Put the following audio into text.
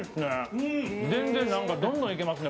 全然どんどんいけますね